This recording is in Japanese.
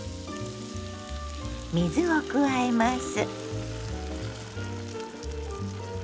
水を加えます。